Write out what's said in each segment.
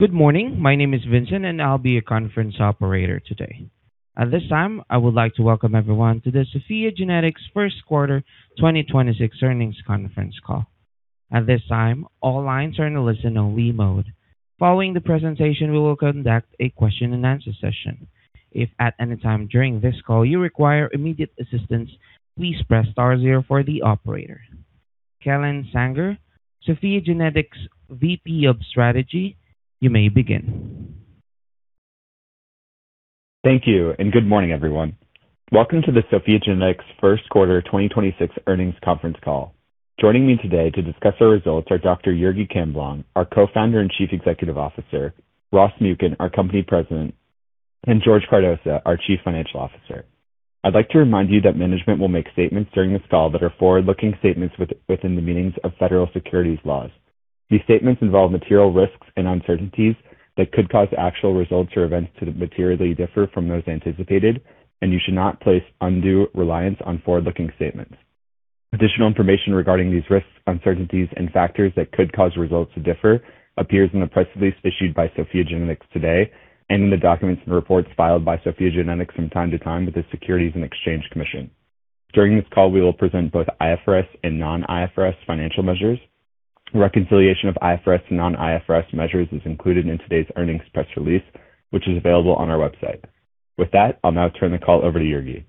Good morning. My name is Vincent, and I'll be your conference operator today. At this time, I would like to welcome everyone to the SOPHiA GENETICS first quarter 2026 earnings conference call. At this time, all lines are in a listen only mode. Following the presentation, we will conduct a question and answer session. If at any time during this call you require immediate assistance, please press star zero for the operator. Kellen Sanger, SOPHiA GENETICS VP of Strategy, you may begin. Thank you. Good morning, everyone. Welcome to the SOPHiA GENETICS first quarter 2026 earnings conference call. Joining me today to discuss our results are Dr. Jurgi Camblong, our Co-founder and Chief Executive Officer, Ross Muken, our President, and George Cardoza, our Chief Financial Officer. I'd like to remind you that management will make statements during this call that are forward-looking statements within the meanings of federal securities laws. These statements involve material risks and uncertainties that could cause actual results or events to materially differ from those anticipated, and you should not place undue reliance on forward-looking statements. Additional information regarding these risks, uncertainties and factors that could cause results to differ appears in the press release issued by SOPHiA GENETICS today and in the documents and reports filed by SOPHiA GENETICS from time to time with the Securities and Exchange Commission. During this call, we will present both IFRS and non-IFRS financial measures. Reconciliation of IFRS and non-IFRS measures is included in today's earnings press release, which is available on our website. With that, I'll now turn the call over to Jurgi.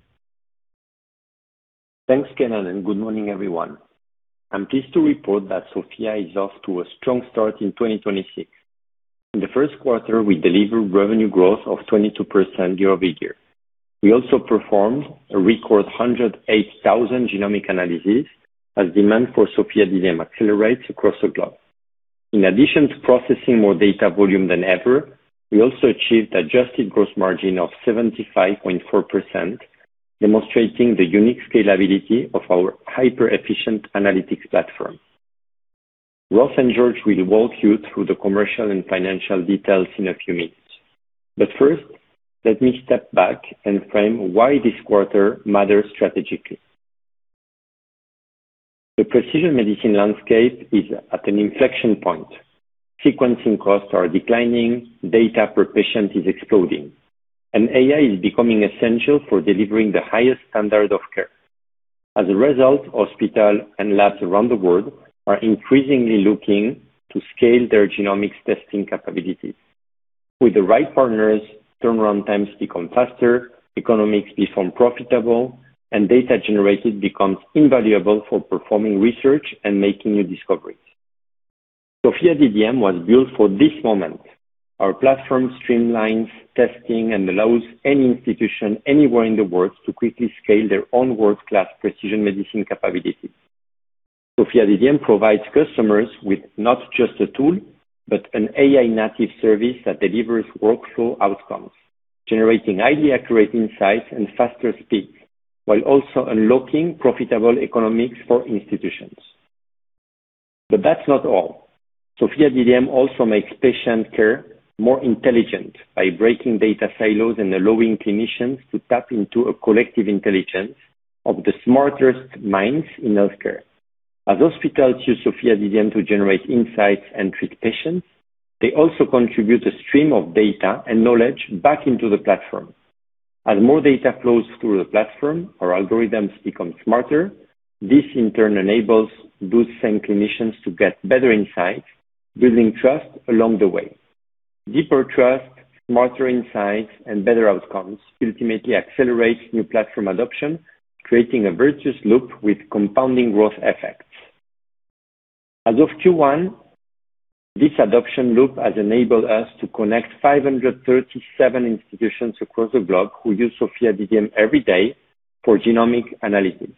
Thanks, Kellen, and good morning, everyone. I'm pleased to report that SOPHiA is off to a strong start in 2026. In the first quarter, we delivered revenue growth of 22% year-over-year. We also performed a record 108,000 genomic analysis as demand for SOPHiA DDM accelerates across the globe. In addition to processing more data volume than ever, we also achieved adjusted gross margin of 75.4%, demonstrating the unique scalability of our hyper-efficient analytics platform. Ross and George will walk you through the commercial and financial details in a few minutes. First, let me step back and frame why this quarter matters strategically. The precision medicine landscape is at an inflection point. Sequencing costs are declining, data per patient is exploding, and AI is becoming essential for delivering the highest standard of care. As a result, hospital and labs around the world are increasingly looking to scale their genomics testing capabilities. With the right partners, turnaround times become faster, economics become profitable, and data generated becomes invaluable for performing research and making new discoveries. SOPHiA DDM was built for this moment. Our platform streamlines testing and allows any institution anywhere in the world to quickly scale their own world-class precision medicine capabilities. SOPHiA DDM provides customers with not just a tool, but an AI-native service that delivers workflow outcomes, generating highly accurate insights and faster speeds, while also unlocking profitable economics for institutions. That's not all. SOPHiA DDM also makes patient care more intelligent by breaking data silos and allowing clinicians to tap into a collective intelligence of the smartest minds in healthcare. As hospitals use SOPHiA DDM to generate insights and treat patients, they also contribute a stream of data and knowledge back into the platform. As more data flows through the platform, our algorithms become smarter. This in turn enables those same clinicians to get better insights, building trust along the way. Deeper trust, smarter insights, and better outcomes ultimately accelerate new platform adoption, creating a virtuous loop with compounding growth effects. As of Q1, this adoption loop has enabled us to connect 537 institutions across the globe who use SOPHiA DDM every day for genomic analysis.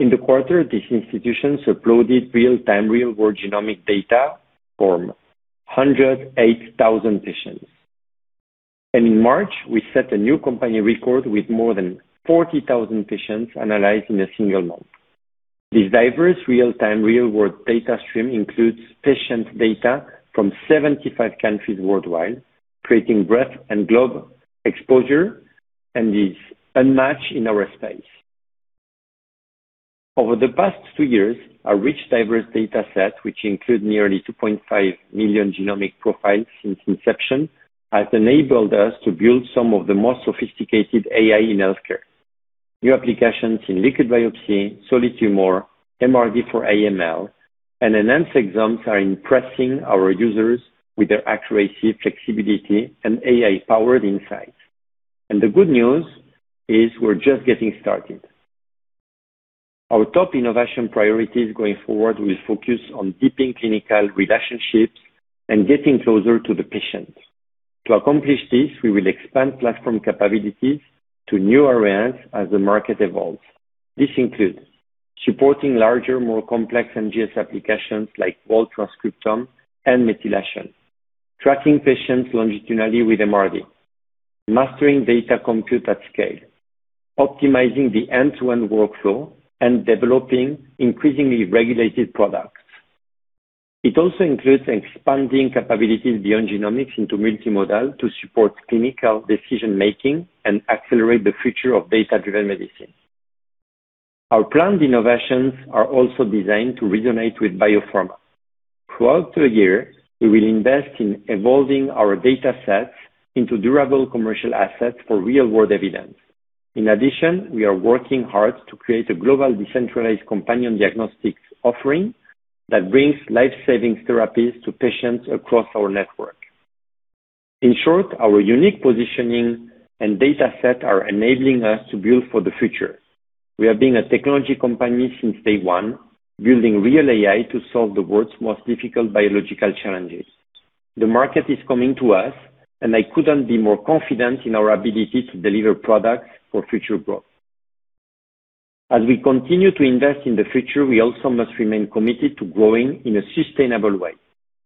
In the quarter, these institutions uploaded real-time, real-world genomic data from 108,000 patients. In March, we set a new company record with more than 40,000 patients analyzed in a single month. This diverse real-time, real-world data stream includes patient data from 75 countries worldwide, creating breadth and global exposure and is unmatched in our space. Over the past two years, our rich, diverse dataset, which include nearly 2.5 million genomic profiles since inception, has enabled us to build some of the most sophisticated AI in healthcare. New applications in liquid biopsy, solid tumor, MRD for AML, and enhanced exams are impressing our users with their accuracy, flexibility, and AI-powered insights. The good news is we're just getting started. Our top innovation priorities going forward will focus on deepening clinical relationships and getting closer to the patient. To accomplish this, we will expand platform capabilities to new areas as the market evolves. This includes supporting larger, more complex NGS applications like whole transcriptome and methylation, tracking patients longitudinally with MRD, mastering data compute at scale, optimizing the end-to-end workflow, and developing increasingly regulated products. It also includes expanding capabilities beyond genomics into multimodal to support clinical decision-making and accelerate the future of data-driven medicine. Our planned innovations are also designed to resonate with biopharma. Throughout the year, we will invest in evolving our data sets into durable commercial assets for real-world evidence. In addition, we are working hard to create a global decentralized companion diagnostics offering that brings life-saving therapies to patients across our network. In short, our unique positioning and data set are enabling us to build for the future. We have been a technology company since day one, building real AI to solve the world's most difficult biological challenges. The market is coming to us, and I couldn't be more confident in our ability to deliver products for future growth. As we continue to invest in the future, we also must remain committed to growing in a sustainable way.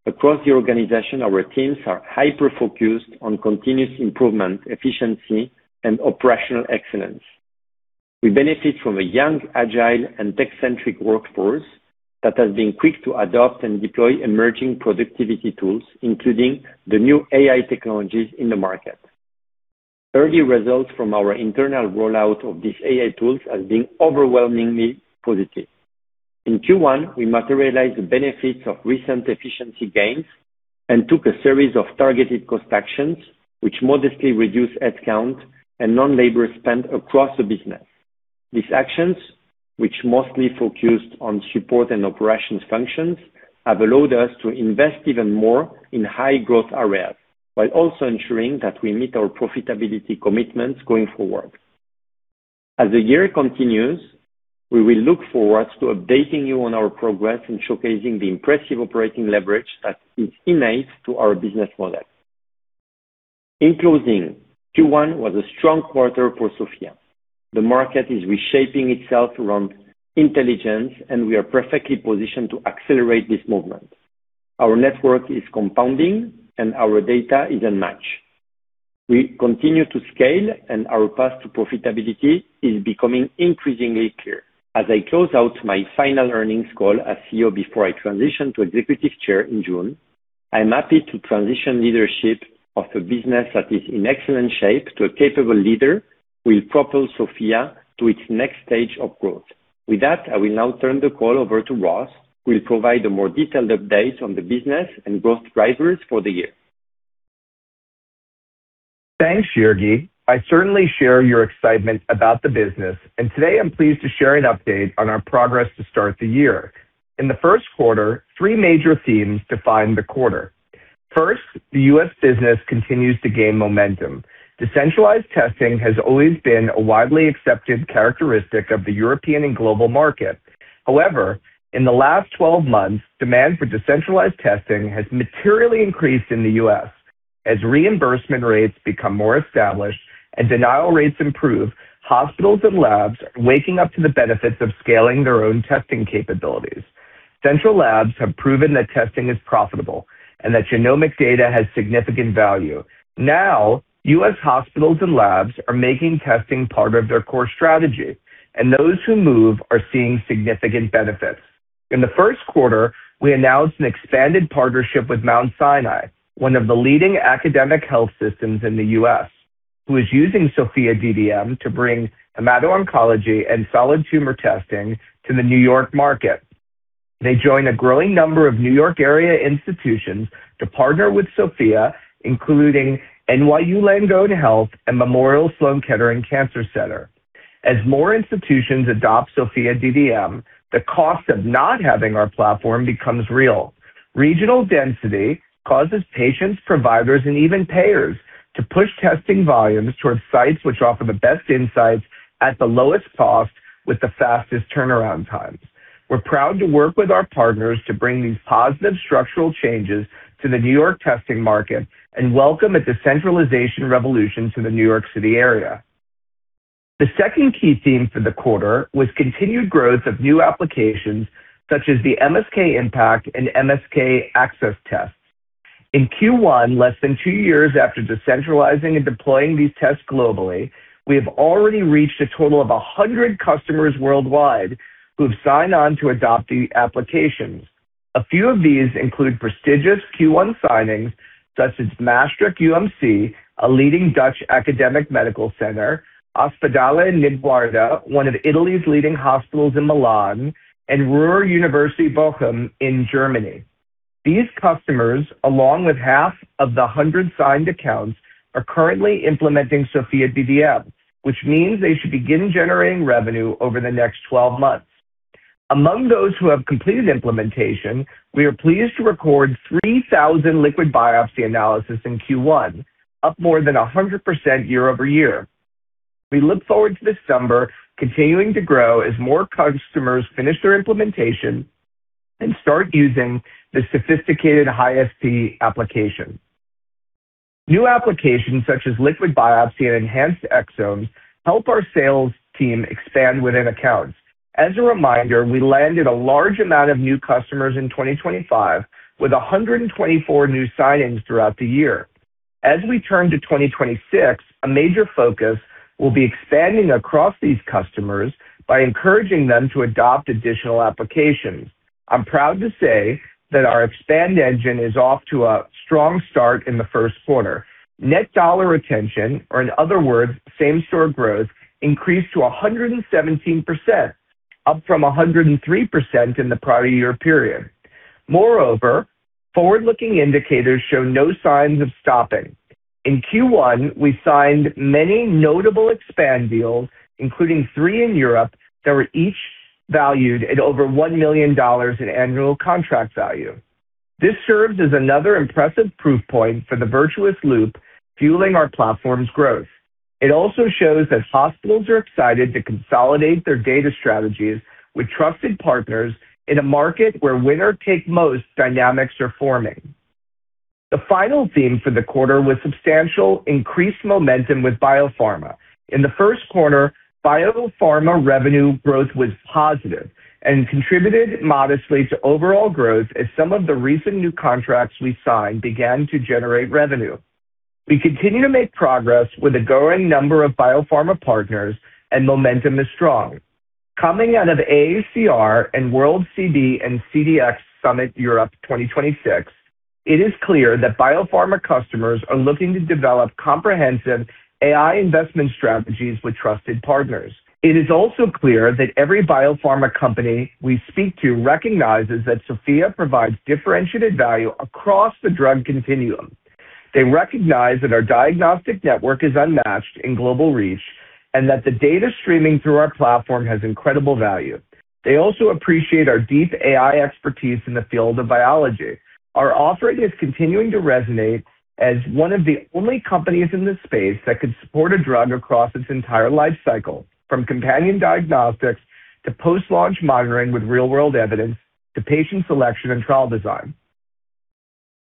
Across the organization, our teams are hyper-focused on continuous improvement, efficiency, and operational excellence. We benefit from a young, agile, and tech-centric workforce that has been quick to adopt and deploy emerging productivity tools, including the new AI technologies in the market. Early results from our internal rollout of these AI tools have been overwhelmingly positive. In Q1, we materialized the benefits of recent efficiency gains and took a series of targeted cost actions, which modestly reduced head count and non-labor spend across the business. These actions, which mostly focused on support and operations functions, have allowed us to invest even more in high-growth areas while also ensuring that we meet our profitability commitments going forward. As the year continues, we will look forward to updating you on our progress and showcasing the impressive operating leverage that is innate to our business model. In closing, Q1 was a strong quarter for SOPHiA. The market is reshaping itself around intelligence, and we are perfectly positioned to accelerate this movement. Our network is compounding, and our data is unmatched. We continue to scale, and our path to profitability is becoming increasingly clear. As I close out my final earnings call as CEO before I transition to Executive Chair in June, I'm happy to transition leadership of the business that is in excellent shape to a capable leader who will propel SOPHiA to its next stage of growth. With that, I will now turn the call over to Ross, who will provide a more detailed update on the business and growth drivers for the year. Thanks, Jurgi. I certainly share your excitement about the business, and today I'm pleased to share an update on our progress to start the year. In the first quarter, three major themes defined the quarter. First, the U.S. business continues to gain momentum. Decentralized testing has always been a widely accepted characteristic of the European and global market. However, in the last 12 months, demand for decentralized testing has materially increased in the U.S. As reimbursement rates become more established and denial rates improve, hospitals and labs are waking up to the benefits of scaling their own testing capabilities. Central labs have proven that testing is profitable and that genomic data has significant value. Now, U.S. hospitals and labs are making testing part of their core strategy, and those who move are seeing significant benefits. In the first quarter, we announced an expanded partnership with Mount Sinai, one of the leading academic health systems in the U.S., who is using SOPHiA DDM to bring hemato-oncology and solid tumor testing to the New York market. They join a growing number of New York area institutions to partner with SOPHiA, including NYU Langone Health and Memorial Sloan Kettering Cancer Center. As more institutions adopt SOPHiA DDM, the cost of not having our platform becomes real. Regional density causes patients, providers, and even payers to push testing volumes towards sites which offer the best insights at the lowest cost with the fastest turnaround times. We're proud to work with our partners to bring these positive structural changes to the New York testing market and welcome a decentralization revolution to the New York City area. The second key theme for the quarter was continued growth of new applications such as the MSK-IMPACT and MSK-ACCESS tests. In Q1, less than two years after decentralizing and deploying these tests globally, we have already reached a total of 100 customers worldwide who have signed on to adopt the applications. A few of these include prestigious Q1 signings such as Maastricht UMC+, a leading Dutch academic medical center, Ospedale Niguarda, one of Italy's leading hospitals in Milan, and Ruhr University Bochum in Germany. These customers, along with half of the 100 signed accounts, are currently implementing SOPHiA DDM, which means they should begin generating revenue over the next 12 months. Among those who have completed implementation, we are pleased to record 3,000 liquid biopsy analysis in Q1, up more than 100% year-over-year. We look forward to this number continuing to grow as more customers finish their implementation and start using the sophisticated HFCP application. New applications such as liquid biopsy and enhanced exomes help our sales team expand within accounts. As a reminder, we landed a large amount of new customers in 2025 with 124 new signings throughout the year. As we turn to 2026, a major focus will be expanding across these customers by encouraging them to adopt additional applications. I'm proud to say that our expand engine is off to a strong start in the first quarter. Net dollar retention, or in other words, same-store growth, increased to 117%, up from 103% in the prior year period. Moreover, forward-looking indicators show no signs of stopping. In Q1, we signed many notable expand deals, including three in Europe, that were each valued at over $1 million in annual contract value. This serves as another impressive proof point for the virtuous loop fueling our platform's growth. It also shows that hospitals are excited to consolidate their data strategies with trusted partners in a market where winner-take-most dynamics are forming. The final theme for the quarter was substantial increased momentum with biopharma. In the first quarter, biopharma revenue growth was positive and contributed modestly to overall growth as some of the recent new contracts we signed began to generate revenue. We continue to make progress with a growing number of biopharma partners, and momentum is strong. Coming out of AACR and World Clinical Biomarkers & CDx Summit Europe 2026, it is clear that biopharma customers are looking to develop comprehensive AI investment strategies with trusted partners. It is also clear that every biopharma company we speak to recognizes that SOPHiA provides differentiated value across the drug continuum. They recognize that our diagnostic network is unmatched in global reach and that the data streaming through our platform has incredible value. They also appreciate our deep AI expertise in the field of biology. Our offering is continuing to resonate as one of the only companies in this space that could support a drug across its entire life cycle, from companion diagnostics to post-launch monitoring with real-world evidence to patient selection and trial design.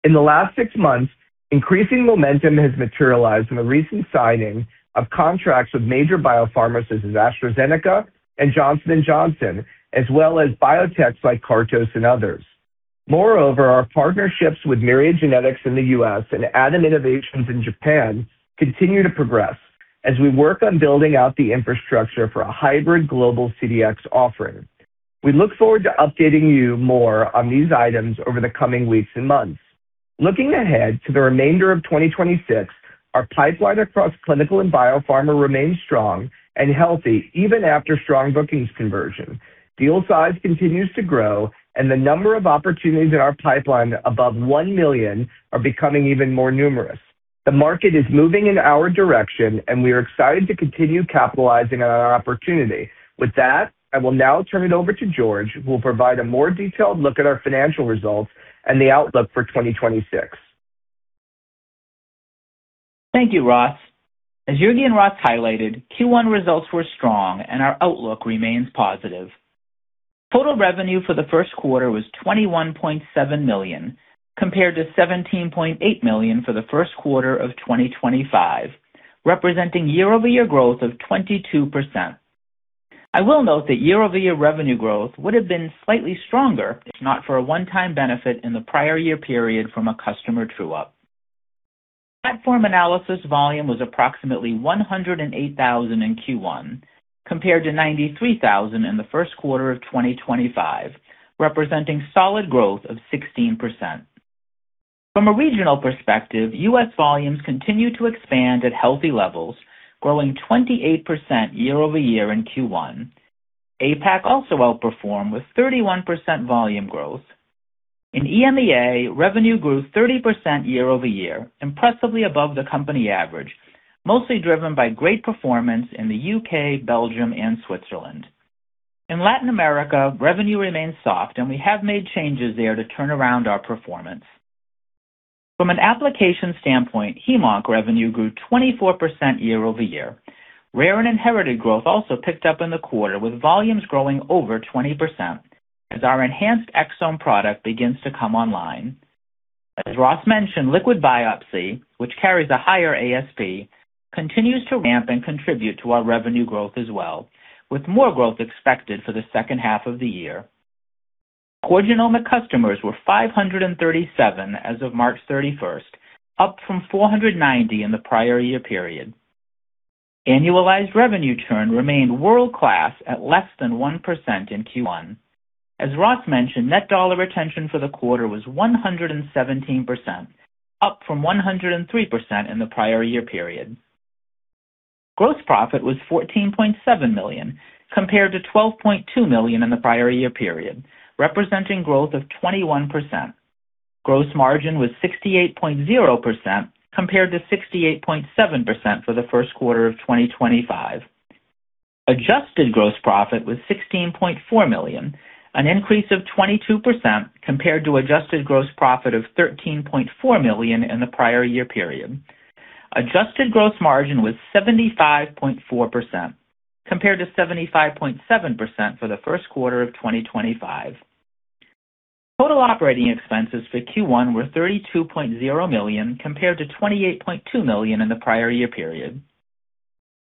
In the last six months, increasing momentum has materialized in the recent signing of contracts with major biopharmas such as AstraZeneca and Johnson & Johnson, as well as biotechs like Cartos and others. Moreover, our partnerships with Myriad Genetics in the U.S. and A.D.A.M. Innovations in Japan continue to progress as we work on building out the infrastructure for a hybrid global CDx offering. We look forward to updating you more on these items over the coming weeks and months. Looking ahead to the remainder of 2026, our pipeline across clinical and biopharma remains strong and healthy even after strong bookings conversion. Deal size continues to grow, and the number of opportunities in our pipeline above $1 million are becoming even more numerous. The market is moving in our direction, and we are excited to continue capitalizing on our opportunity. With that, I will now turn it over to George, who will provide a more detailed look at our financial results and the outlook for 2026. Thank you, Ross. As Jurgi and Ross highlighted, Q1 results were strong and our outlook remains positive. Total revenue for the first quarter was $21.7 million compared to $17.8 million for the first quarter of 2025, representing year-over-year growth of 22%. I will note that year-over-year revenue growth would have been slightly stronger if not for a one-time benefit in the prior year period from a customer true-up. Platform analysis volume was approximately 108,000 in Q1 compared to 93,000 in the first quarter of 2025, representing solid growth of 16%. From a regional perspective, U.S. volumes continue to expand at healthy levels, growing 28% year-over-year in Q1. APAC also outperformed with 31% volume growth. In EMEA, revenue grew 30% year-over-year, impressively above the company average, mostly driven by great performance in the U.K., Belgium, and Switzerland. In Latin America, revenue remains soft, and we have made changes there to turn around our performance. From an application standpoint, hemonc revenue grew 24% year-over-year. Rare and inherited growth also picked up in the quarter, with volumes growing over 20% as our enhanced exome product begins to come online. As Ross mentioned, liquid biopsy, which carries a higher ASP, continues to ramp and contribute to our revenue growth as well, with more growth expected for the second half of the year. Core genomic customers were 537 as of March 31st, up from 490 in the prior year period. Annualized revenue churn remained world-class at less than 1% in Q1. As Ross mentioned, net dollar retention for the quarter was 117%, up from 103% in the prior year period. Gross profit was $14.7 million compared to $12.2 million in the prior year period, representing growth of 21%. Gross margin was 68.0% compared to 68.7% for the first quarter of 2025. Adjusted gross profit was $16.4 million, an increase of 22% compared to adjusted gross profit of $13.4 million in the prior year period. Adjusted gross margin was 75.4% compared to 75.7% for the first quarter of 2025. Total operating expenses for Q1 were $32.0 million compared to $28.2 million in the prior year period.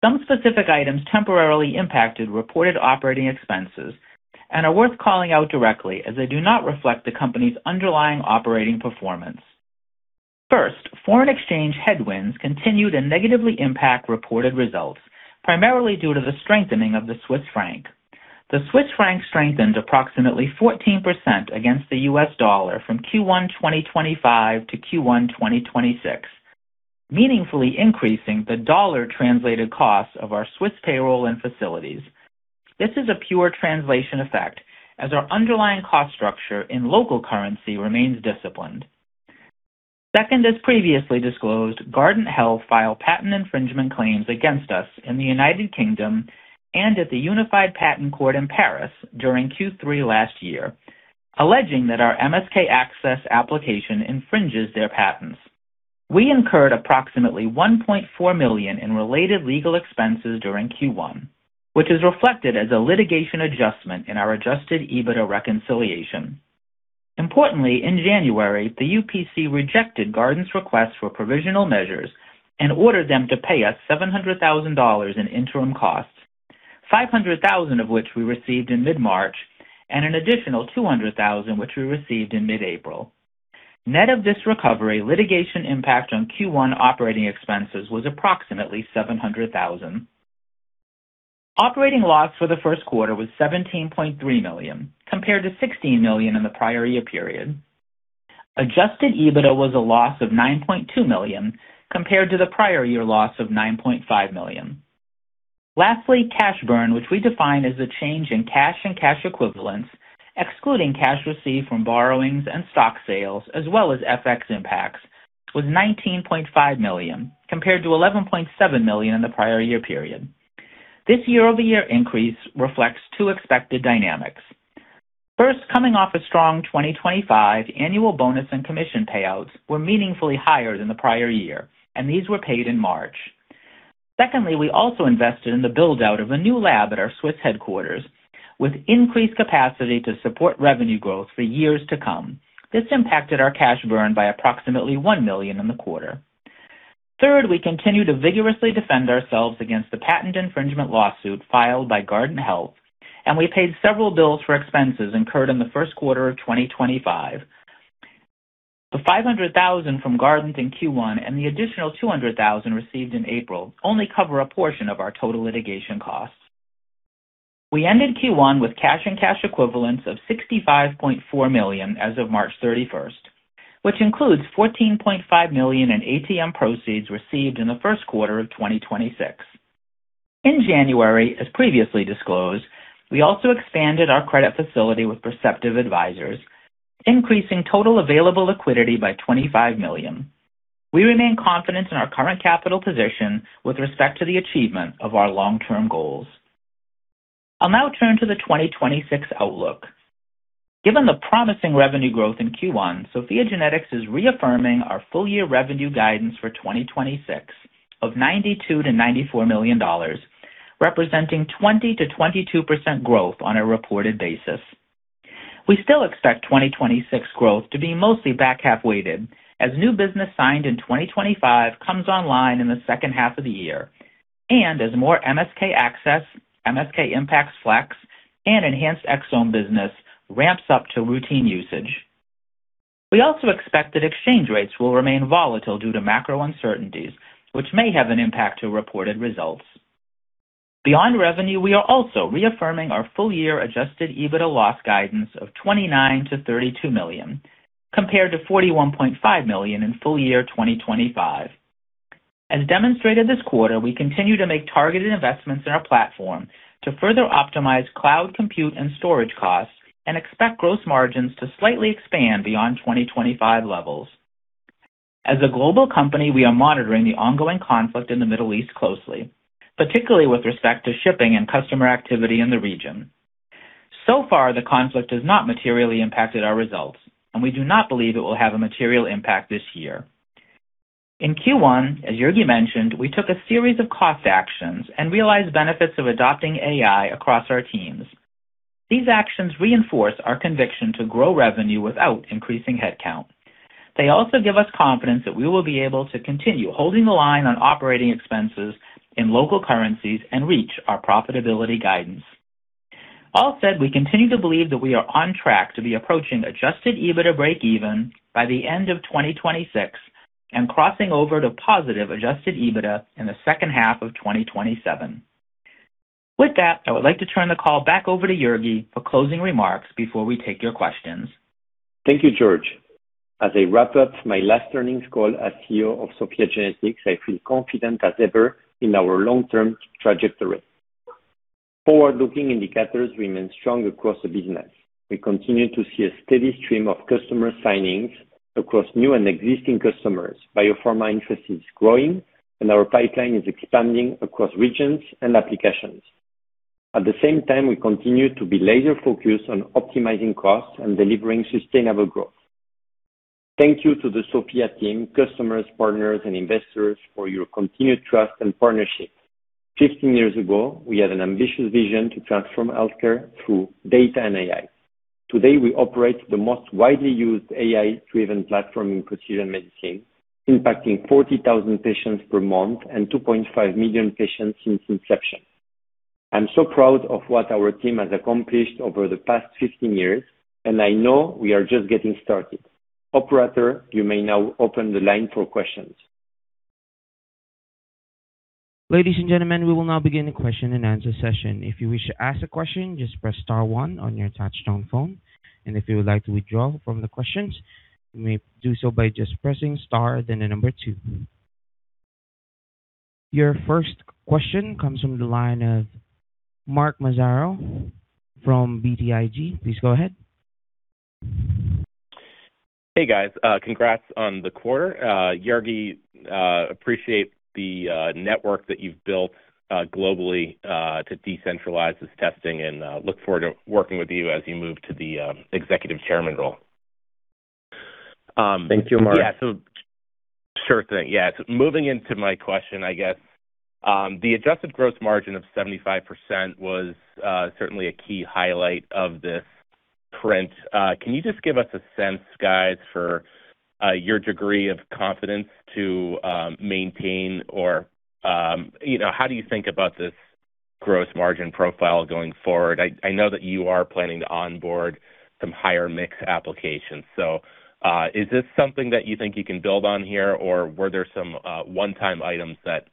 Some specific items temporarily impacted reported operating expenses and are worth calling out directly as they do not reflect the company's underlying operating performance. First, foreign exchange headwinds continued to negatively impact reported results, primarily due to the strengthening of the Swiss Franc. The Swiss Franc strengthened approximately 14% against the U.S. dollar from Q1 2025 to Q1 2026, meaningfully increasing the dollar-translated costs of our Swiss payroll and facilities. This is a pure translation effect, as our underlying cost structure in local currency remains disciplined. As previously disclosed, Guardant Health filed patent infringement claims against us in the U.K. and at the Unified Patent Court in Paris during Q3 last year, alleging that our MSK-ACCESS application infringes their patents. We incurred approximately $1.4 million in related legal expenses during Q1, which is reflected as a litigation adjustment in our adjusted EBITDA reconciliation. Importantly, in January, the UPC rejected Guardant's request for provisional measures and ordered them to pay us $700,000 in interim costs, $500,000 of which we received in mid-March, and an additional $200,000 which we received in mid-April. Net of this recovery, litigation impact on Q1 operating expenses was approximately $700,000. Operating loss for the first quarter was $17.3 million, compared to $16 million in the prior year period. Adjusted EBITDA was a loss of $9.2 million, compared to the prior year loss of $9.5 million. Lastly, cash burn, which we define as the change in cash and cash equivalents, excluding cash received from borrowings and stock sales, as well as FX impacts, was $19.5 million, compared to $11.7 million in the prior year period. This year-over-year increase reflects two expected dynamics. First, coming off a strong 2025, annual bonus and commission payouts were meaningfully higher than the prior year, and these were paid in March. Secondly, we also invested in the build-out of a new lab at our Swiss headquarters with increased capacity to support revenue growth for years to come. This impacted our cash burn by approximately $1 million in the quarter. Third, we continue to vigorously defend ourselves against the patent infringement lawsuit filed by Guardant Health, and we paid several bills for expenses incurred in the first quarter of 2025. The $500,000 from Guardant in Q1 and the additional $200,000 received in April only cover a portion of our total litigation costs. We ended Q1 with cash and cash equivalents of $65.4 million as of March 31st, which includes $14.5 million in ATM proceeds received in the first quarter of 2026. In January, as previously disclosed, we also expanded our credit facility with Perceptive Advisors, increasing total available liquidity by $25 million. We remain confident in our current capital position with respect to the achievement of our long-term goals. I'll now turn to the 2026 outlook. Given the promising revenue growth in Q1, SOPHiA GENETICS is reaffirming our full-year revenue guidance for 2026 of $92 million-$94 million, representing 20%-22% growth on a reported basis. We still expect 2026 growth to be mostly back-half weighted as new business signed in 2025 comes online in the second half of the year and as more MSK-ACCESS, MSK-IMPACT Flex, and enhanced exome business ramps up to routine usage. We also expect that exchange rates will remain volatile due to macro uncertainties, which may have an impact to reported results. Beyond revenue, we are also reaffirming our full-year adjusted EBITDA loss guidance of $29 million-$32 million, compared to $41.5 million in full year 2025. As demonstrated this quarter, we continue to make targeted investments in our platform to further optimize cloud compute and storage costs and expect gross margins to slightly expand beyond 2025 levels. As a global company, we are monitoring the ongoing conflict in the Middle East closely, particularly with respect to shipping and customer activity in the region. So far, the conflict has not materially impacted our results, and we do not believe it will have a material impact this year. In Q1, as Jurgi mentioned, we took a series of cost actions and realized benefits of adopting AI across our teams. These actions reinforce our conviction to grow revenue without increasing headcount. They also give us confidence that we will be able to continue holding the line on operating expenses in local currencies and reach our profitability guidance. All said, we continue to believe that we are on track to be approaching adjusted EBITDA break even by the end of 2026 and crossing over to positive adjusted EBITDA in the second half of 2027. With that, I would like to turn the call back over to Jurgi for closing remarks before we take your questions. Thank you, George. As I wrap up my last earnings call as CEO of SOPHiA GENETICS, I feel confident as ever in our long-term trajectory. Forward-looking indicators remain strong across the business. We continue to see a steady stream of customer signings across new and existing customers. Biopharma interest is growing, and our pipeline is expanding across regions and applications. At the same time, we continue to be laser-focused on optimizing costs and delivering sustainable growth. Thank you to the SOPHiA team, customers, partners, and investors for your continued trust and partnership. 15 years ago, we had an ambitious vision to transform healthcare through data and AI. Today, we operate the most widely used AI-driven platform in precision medicine, impacting 40,000 patients per month and 2.5 million patients since inception. I'm so proud of what our team has accomplished over the past 15 years, and I know we are just getting started. Operator, you may now open the line for questions. Your first question comes from the line of Mark Massaro from BTIG. Hey, guys. congrats on the quarter. Jurgi, appreciate the network that you've built globally, to decentralize this testing and look forward to working with you as you move to the Executive Chairman role. Thank you, Mark. Yeah, sure thing. Yeah. Moving into my question, I guess. The adjusted gross margin of 75% was certainly a key highlight of this print. Can you just give us a sense, guys, for your degree of confidence to maintain or, you know, how do you think about this gross margin profile going forward? I know that you are planning to onboard some higher mix applications, so is this something that you think you can build on here, or were there some one-time items that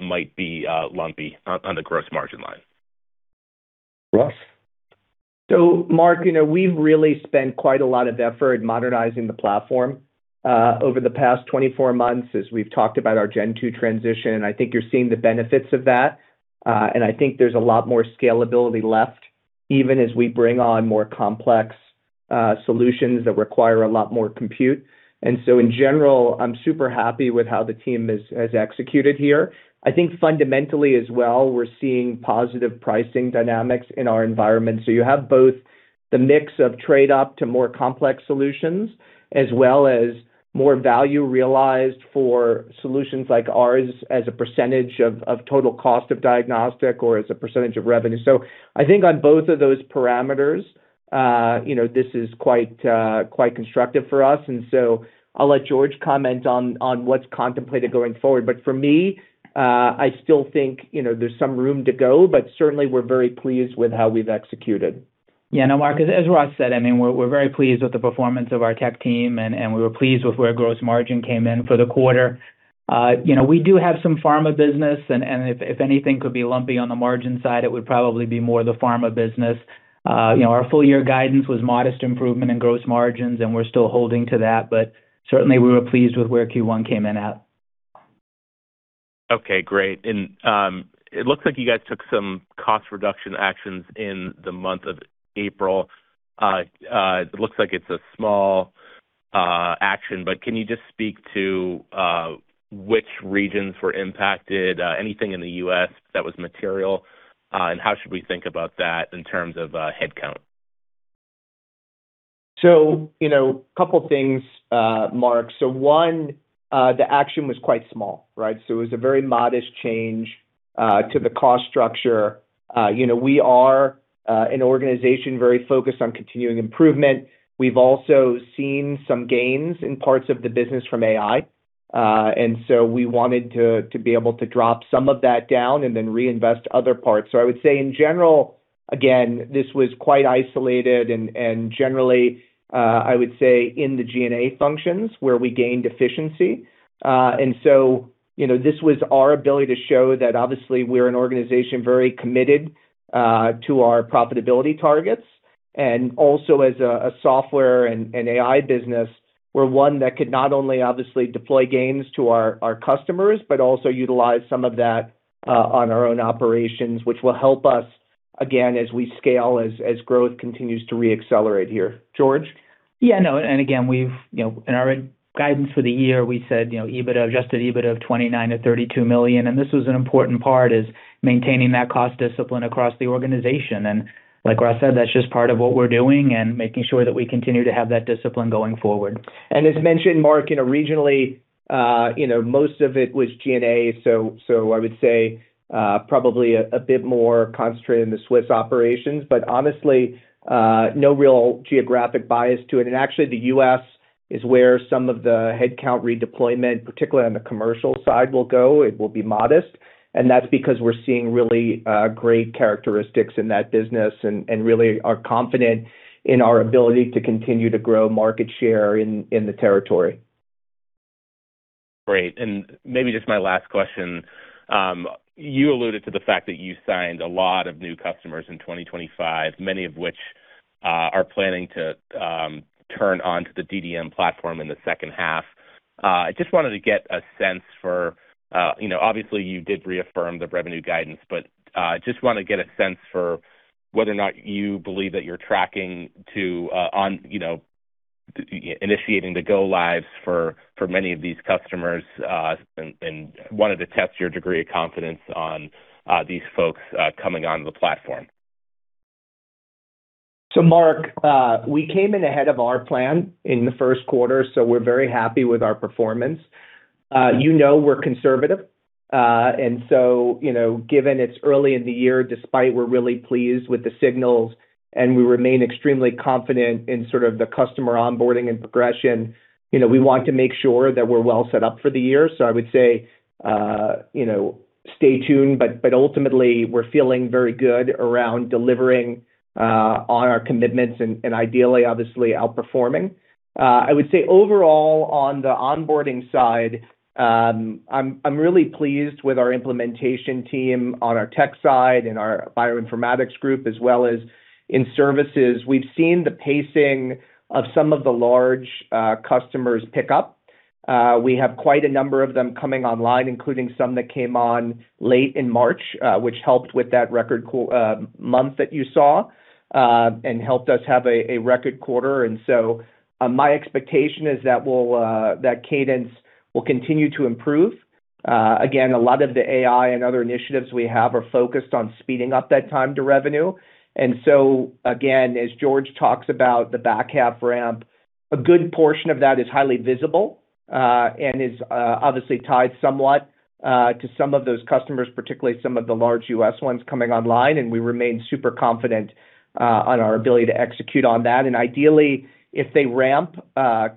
might be lumpy on the gross margin line? Ross? Mark, you know, we've really spent quite a lot of effort modernizing the platform over the past 24 months as we've talked about our Gen 2 transition. I think you're seeing the benefits of that. I think there's a lot more scalability left, even as we bring on more complex solutions that require a lot more compute. And so, in general, I'm super happy with how the team has executed here. I think fundamentally as well, we're seeing positive pricing dynamics in our environment. You have both the mix of trade up to more complex solutions as well as more value realized for solutions like ours as a percentage of total cost of diagnostic or as a percentage of revenue. I think on both of those parameters, you know, this is quite constructive for us. I'll let George comment on what's contemplated going forward. For me, I still think, you know, there's some room to go, but certainly we're very pleased with how we've executed. Mark, as Ross said, we're very pleased with the performance of our tech team and we were pleased with where gross margin came in for the quarter. We do have some pharma business and if anything could be lumpy on the margin side, it would probably be more the pharma business. Our full year guidance was modest improvement in gross margins, and we're still holding to that, but certainly we were pleased with where Q1 came in at. Okay, great. It looks like you guys took some cost reduction actions in the month of April. It looks like it's a small action, but can you just speak to which regions were impacted, anything in the U.S. that was material, and how should we think about that in terms of headcount? You know, couple things, Mark. One, the action was quite small, right? It was a very modest change to the cost structure. You know, we are an organization very focused on continuing improvement. We've also seen some gains in parts of the business from AI, and so we wanted to be able to drop some of that down and then reinvest other parts. I would say in general, again, this was quite isolated and generally, I would say in the G&A functions where we gained efficiency. You know, this was our ability to show that obviously we're an organization very committed to our profitability targets. And also as a software and AI business, we're one that could not only obviously deploy gains to our customers, but also utilize some of that on our own operations, which will help us again as we scale, as growth continues to re-accelerate here. George? Yeah, no, again, we've, you know, in our guidance for the year, we said, you know, EBITDA, adjusted EBITDA of $29 million-$32 million, and this was an important part is maintaining that cost discipline across the organization. Like Ross said, that's just part of what we're doing and making sure that we continue to have that discipline going forward. As mentioned, Mark, you know, regionally, you know, most of it was G&A, so I would say, probably a bit more concentrated in the Swiss operations. Honestly, no real geographic bias to it. Actually, the U.S. is where some of the headcount redeployment, particularly on the commercial side, will go; it will be modest, and that's because we're seeing really great characteristics in that business and really are confident in our ability to continue to grow market share in the territory. Great. Maybe just my last question. You alluded to the fact that you signed a lot of new customers in 2025, many of which are planning to turn onto the DDM platform in the second half. I just wanted to get a sense for, you know, obviously you did reaffirm the revenue guidance, but just wanna get a sense for whether or not you believe that you're tracking to on, you know, initiating the go lives for many of these customers and wanted to test your degree of confidence on these folks coming onto the platform. Mark, we came in ahead of our plan in the first quarter, so we're very happy with our performance. You know we're conservative, given it's early in the year, despite we're really pleased with the signals and we remain extremely confident in sort of the customer onboarding and progression, you know, we want to make sure that we're well set up for the year. I would say, you know, stay tuned, but ultimately, we're feeling very good around delivering on our commitments and ideally, obviously, outperforming. I would say overall, on the onboarding side, I'm really pleased with our implementation team on our tech side and our bioinformatics group as well as in services. We've seen the pacing of some of the large customers pick up. We have quite a number of them coming online, including some that came on late in March, which helped with that record month that you saw, and helped us have a record quarter. My expectation is that we'll that cadence will continue to improve. Again, a lot of the AI and other initiatives we have are focused on speeding up that time to revenue. And so, again, as George talks about the back half ramp, a good portion of that is highly visible, and is obviously tied somewhat to some of those customers, particularly some of the large U.S. ones coming online, and we remain super confident on our ability to execute on that. Ideally, if they ramp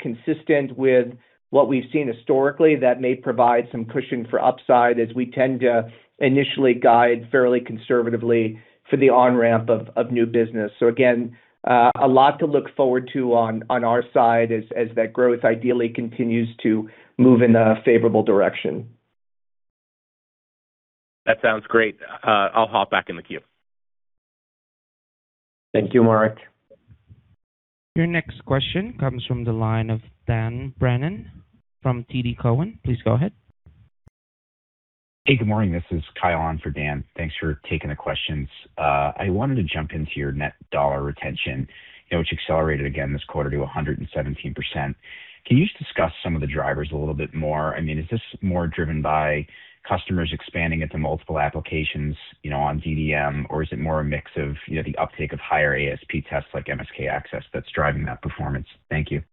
consistent with what we've seen historically, that may provide some cushion for upside as we tend to initially guide fairly conservatively for the on-ramp of new business. Again, a lot to look forward to on our side as that growth ideally continues to move in a favorable direction. That sounds great. I'll hop back in the queue. Thank you, Mark. Your next question comes from the line of Dan Brennan from TD Cowen. Please go ahead. Hey, good morning. This is Kyle on for Dan. Thanks for taking the questions. I wanted to jump into your net dollar retention, you know, which accelerated again this quarter to 117%. Can you just discuss some of the drivers a little bit more? I mean, is this more driven by customers expanding into multiple applications, you know, on DDM, or is it more a mix of, you know, the uptake of higher ASP tests like MSK-ACCESS that's driving that performance? Thank you.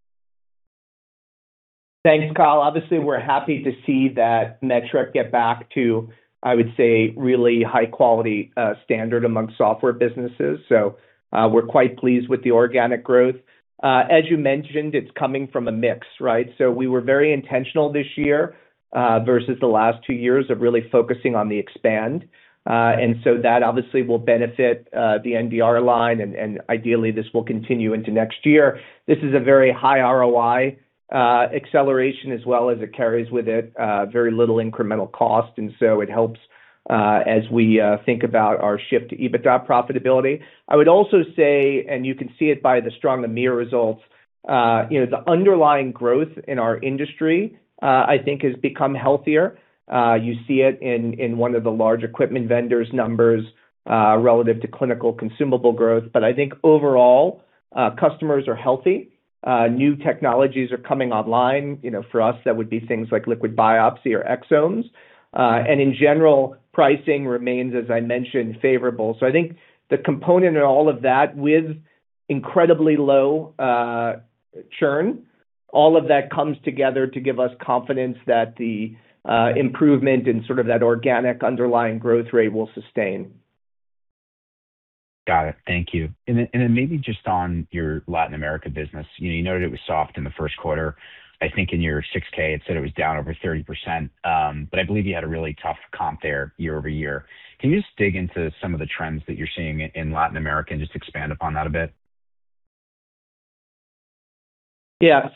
Thanks, Kyle. Obviously, we're happy to see that metric get back to, I would say, really high quality standard among software businesses. We're quite pleased with the organic growth. As you mentioned, it's coming from a mix, right? We were very intentional this year versus the last two years of really focusing on the expand. And so, that obviously will benefit the NDR line, and ideally, this will continue into next year. This is a very high ROI acceleration as well as it carries with it very little incremental cost. It helps as we think about our shift to EBITDA profitability. I would also say, you can see it by the strong EMEA results, you know, the underlying growth in our industry, I think has become healthier. You see it in one of the large equipment vendors' numbers, relative to clinical consumable growth. I think overall, customers are healthy. New technologies are coming online. You know, for us, that would be things like liquid biopsy or exomes. In general, pricing remains, as I mentioned, favorable. I think the component in all of that with incredibly low churn, all of that comes together to give us confidence that the improvement in sort of that organic underlying growth rate will sustain. Got it. Thank you. Then maybe just on your Latin America business. You know, you noted it was soft in the first quarter. I think in your 6-K, it said it was down over 30%. I believe you had a really tough comp there year-over-year. Can you just dig into some of the trends that you're seeing in Latin America and just expand upon that a bit? Yeah.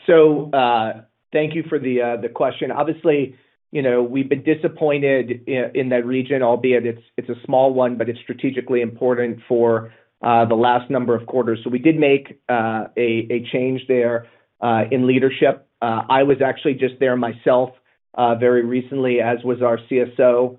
Thank you for the question. Obviously, you know, we've been disappointed in that region, albeit it's a small one, but it's strategically important for the last number of quarters. We did make a change there in leadership. I was actually just there myself very recently, as was our CSO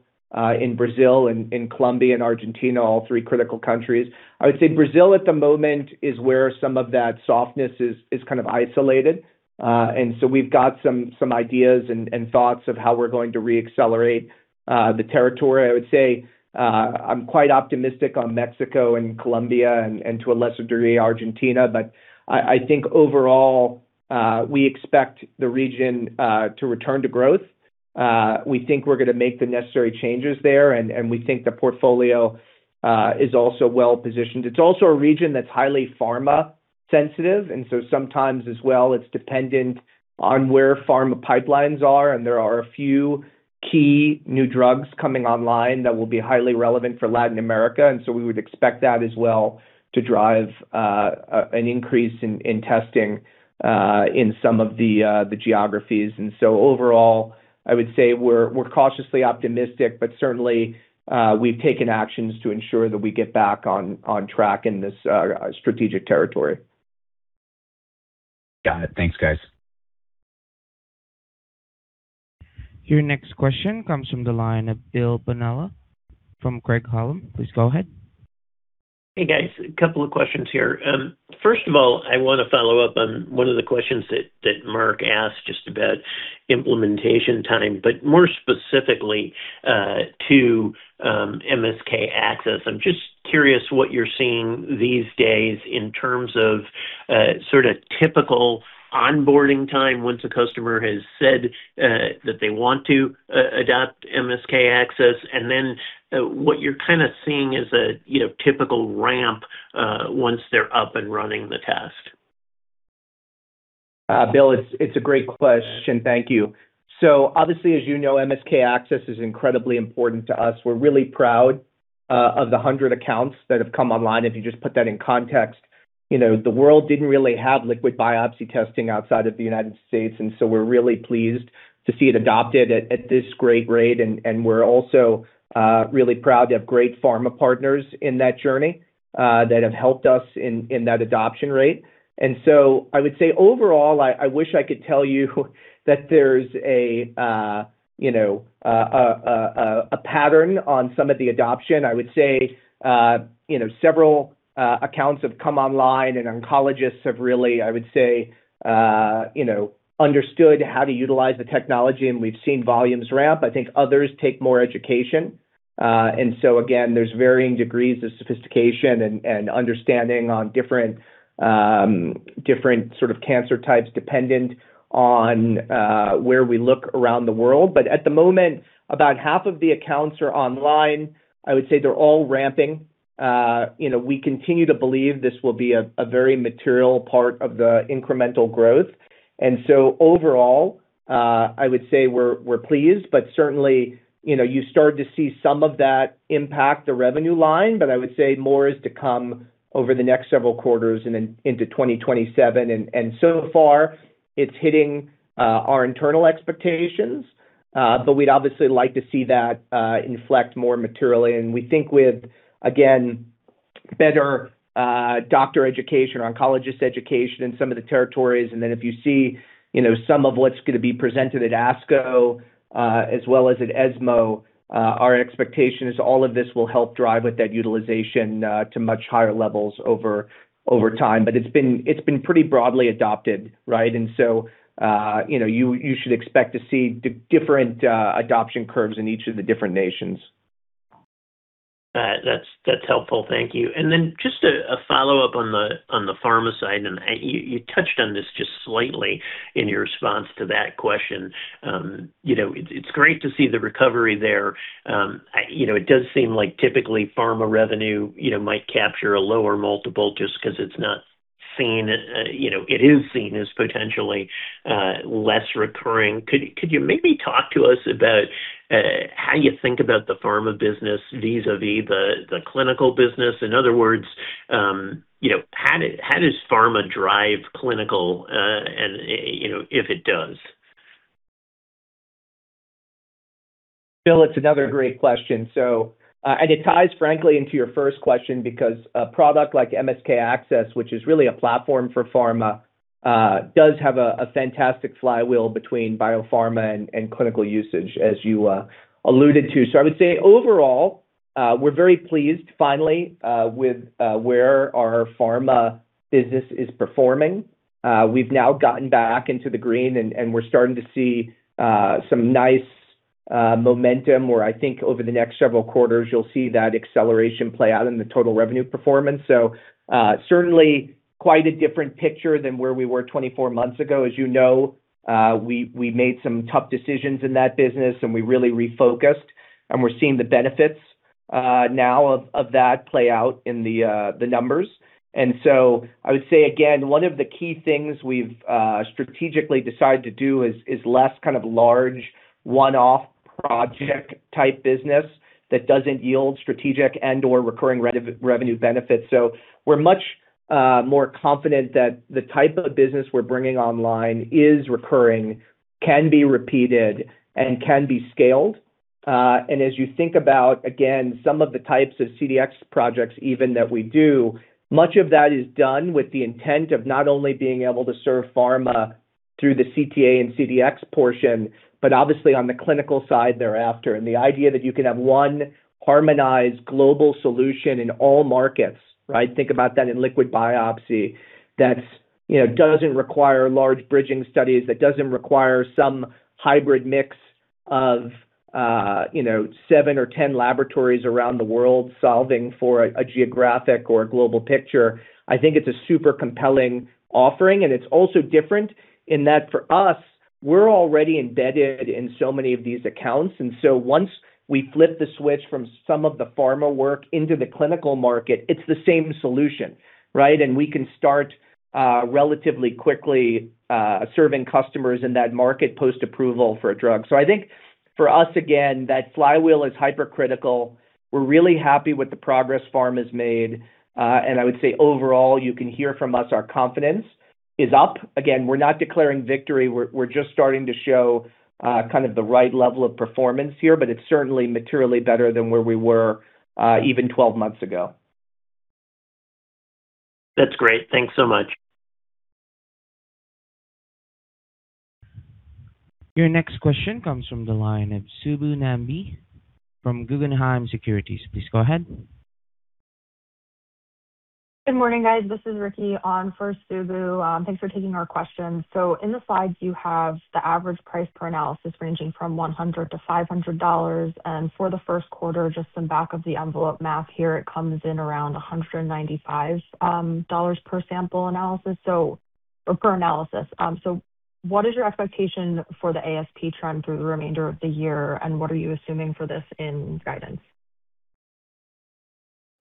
in Brazil and in Colombia and Argentina, all three critical countries. I would say Brazil at the moment is where some of that softness is kind of isolated. We've got some ideas and thoughts of how we're going to re-accelerate the territory. I would say I'm quite optimistic on Mexico and Colombia and to a lesser degree, Argentina. I think overall, we expect the region to return to growth. We think we're gonna make the necessary changes there, and we think the portfolio is also well-positioned. It's also a region that's highly pharma sensitive, sometimes as well, it's dependent on where pharma pipelines are, and there are a few key new drugs coming online that will be highly relevant for Latin America. We would expect that as well to drive an increase in testing in some of the geographies. And so, overall, I would say we're cautiously optimistic, but certainly, we've taken actions to ensure that we get back on track in this strategic territory. Got it. Thanks, guys. Your next question comes from the line of Bill Bonello from Craig-Hallum. Please go ahead. Hey, guys, a couple of questions here. First of all, I wanna follow up on one of the questions that Mark asked just about implementation time, but more specifically, to MSK-ACCESS. I'm just curious what you're seeing these days in terms of typical onboarding time once a customer has said that they want to adopt MSK-ACCESS, and then what you're seeing as a, you know, typical ramp once they're up and running the test. Bill, it's a great question. Thank you. Obviously, as you know, MSK-ACCESS is incredibly important to us. We're really proud of the 100 accounts that have come online. If you just put that in context, you know, the world didn't really have liquid biopsy testing outside of the U.S., we're really pleased to see it adopted at this great rate. We're also really proud to have great pharma partners in that journey that have helped us in that adoption rate. And so, I would say overall, I wish I could tell you that there's a, you know, a pattern on some of the adoption. I would say, you know, several accounts have come online and oncologists have really, I would say, you know, understood how to utilize the technology, and we've seen volumes ramp. I think others take more education. And so, again, there's varying degrees of sophistication and understanding on different sort of cancer types, dependent on where we look around the world. At the moment, about half of the accounts are online. I would say they're all ramping. You know, we continue to believe this will be a very material part of the incremental growth. And so, overall, I would say we're pleased, but certainly, you know, you start to see some of that impact the revenue line, but I would say more is to come over the next several quarters and then into 2027. And so far, it's hitting our internal expectations, we'd obviously like to see that inflect more materially. We think with, again, better doctor education or oncologist education in some of the territories, and then if you see, you know, some of what's gonna be presented at ASCO, as well as at ESMO, our expectation is all of this will help drive with that utilization to much higher levels over time. It's been pretty broadly adopted, right? You know, you should expect to see different adoption curves in each of the different nations. That's helpful. Thank you. Just a follow-up on the pharma side, and you touched on this just slightly in your response to that question. You know, it's great to see the recovery there. You know, it does seem like typically pharma revenue, you know, might capture a lower multiple just 'cause it's not seen, you know, it is seen as potentially less recurring. Could you maybe talk to us about how you think about the pharma business vis-a-vis the clinical business? In other words, you know, how does pharma drive clinical, and, you know, if it does? Bill, it's another great question. And it ties frankly into your first question because a product like MSK-ACCESS, which is really a platform for pharma, does have a fantastic flywheel between biopharma and clinical usage, as you alluded to. I would say overall, we're very pleased finally with where our pharma business is performing. We've now gotten back into the green and we're starting to see some nice momentum where I think over the next several quarters you'll see that acceleration play out in the total revenue performance. Certainly, quite a different picture than where we were 24 months ago. As you know, we made some tough decisions in that business, and we really refocused, and we're seeing the benefits now of that play out in the numbers. And so, I would say again, one of the key things we've strategically decided to do is less kind of large one-off project type business that doesn't yield strategic and/or recurring revenue benefits. We're much more confident that the type of business we're bringing online is recurring, can be repeated, and can be scaled. As you think about, again, some of the types of CDx projects even that we do, much of that is done with the intent of not only being able to serve pharma through the CTA and CDx portion, but obviously on the clinical side thereafter. The idea that you can have one harmonized global solution in all markets, right? Think about that in liquid biopsy, that's, you know, doesn't require large bridging studies, that doesn't require some hybrid mix of, you know, seven or 10 laboratories around the world solving for a geographic or a global picture. I think it's a super compelling offering. It's also different in that for us, we're already embedded in so many of these accounts. Once we flip the switch from some of the pharma work into the clinical market, it's the same solution, right? We can start relatively quickly serving customers in that market post-approval for a drug. I think for us, again, that flywheel is hypercritical. We're really happy with the progress pharma has made. I would say overall, you can hear from us, our confidence is up. Again, we're not declaring victory. We're just starting to show, kind of the right level of performance here, but it's certainly materially better than where we were, even 12 months ago. That's great. Thanks so much. Your next question comes from the line of Subbu Nambi from Guggenheim Securities. Please go ahead. Good morning, guys. This is Ricki on for Subbu. Thanks for taking our questions. In the slides, you have the average price per analysis ranging from $100-$500. For the first quarter, just some back of the envelope math here, it comes in around $195 per sample analysis or per analysis. What is your expectation for the ASP trend through the remainder of the year, and what are you assuming for this in guidance?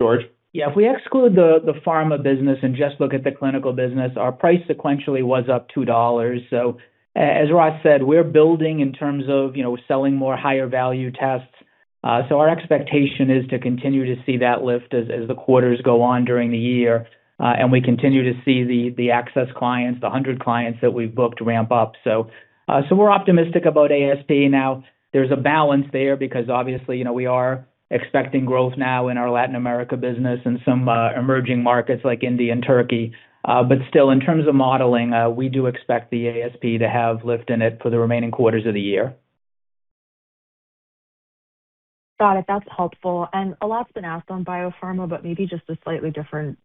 George? Yeah, if we exclude the pharma business and just look at the clinical business, our price sequentially was up $2. As Ross said, we're building in terms of, you know, selling more higher value tests. Our expectation is to continue to see that lift as the quarters go on during the year, and we continue to see the access clients, the 100 clients that we've booked ramp up. We're optimistic about ASP. Now, there's a balance there because obviously, you know, we are expecting growth now in our Latin America business and some emerging markets like India and Turkey. Still, in terms of modeling, we do expect the ASP to have lift in it for the remaining quarters of the year. Got it. That's helpful. A lot's been asked on biopharma, but maybe just a slightly different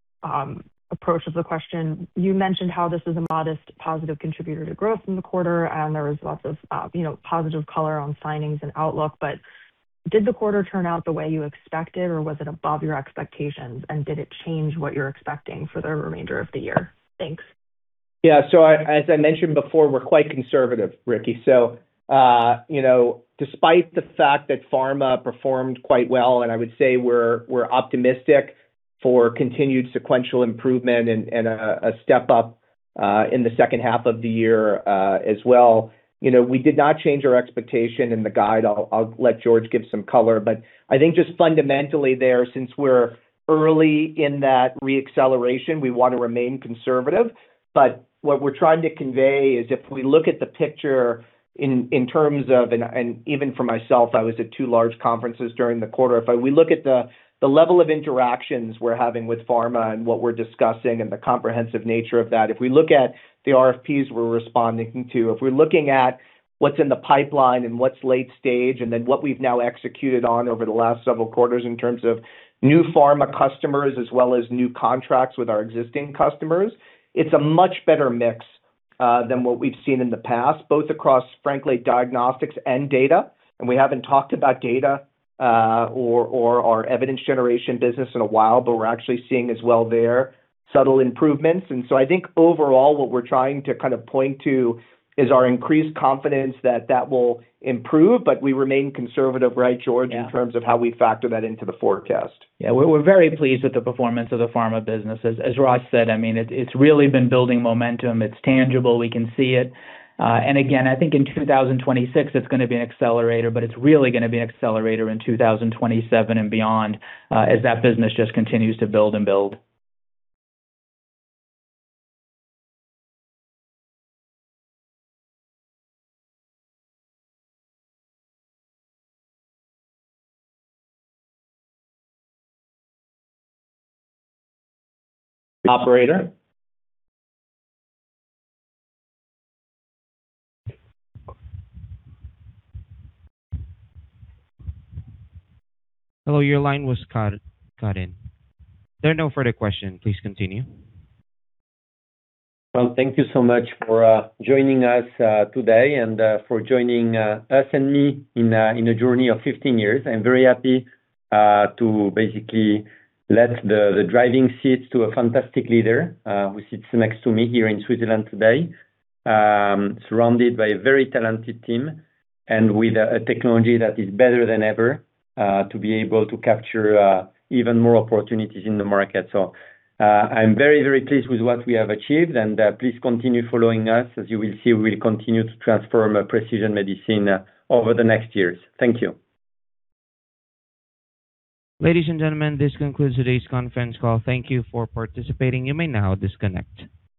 approach of the question. You mentioned how this is a modest positive contributor to growth in the quarter, and there was lots of, you know, positive color on signings and outlook. Did the quarter turn out the way you expected, or was it above your expectations? Did it change what you're expecting for the remainder of the year? Thanks. Yeah. As I mentioned before, we're quite conservative, Ricki. You know, despite the fact that pharma performed quite well, and I would say we're optimistic for continued sequential improvement and a step up in the second half of the year as well. You know, we did not change our expectation in the guide. I'll let George give some color. I think just fundamentally there, since we're early in that re-acceleration, we wanna remain conservative. What we're trying to convey is if we look at the picture in terms of And even for myself, I was at two large conferences during the quarter. If we look at the level of interactions we're having with pharma and what we're discussing and the comprehensive nature of that, if we look at the RFPs we're responding to, if we're looking at what's in the pipeline and what's late stage, then what we've now executed on over the last several quarters in terms of new pharma customers as well as new contracts with our existing customers, it's a much better mix than what we've seen in the past, both across, frankly, diagnostics and data. We haven't talked about data or our evidence generation business in a while, but we're actually seeing as well there subtle improvements. I think overall, what we're trying to kind of point to is our increased confidence that that will improve, but we remain conservative, right, George. Yeah. In terms of how we factor that into the forecast. Yeah. We're very pleased with the performance of the pharma business. As Ross said, I mean, it's really been building momentum. It's tangible. We can see it. And again, I think in 2026, it's gonna be an accelerator, but it's really gonna be an accelerator in 2027 and beyond, as that business just continues to build and build. Operator? Hello, your line was cut in. If there are no further questions, please continue. Thank you so much for joining us today and for joining us and me in a journey of 15 years. I'm very happy to basically let the driving seat to a fantastic leader who sits next to me here in Switzerland today, surrounded by a very talented team and with a technology that is better than ever to be able to capture even more opportunities in the market. I'm very, very pleased with what we have achieved, and please continue following us. As you will see, we'll continue to transform precision medicine over the next years. Thank you. Ladies and gentlemen, this concludes today's conference call. Thank you for participating. You may now disconnect.